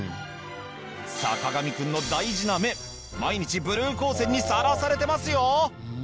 坂上くんの大事な目毎日ブルー光線にさらされてますよ！